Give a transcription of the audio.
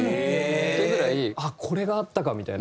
っていうぐらいあっこれがあったかみたいな。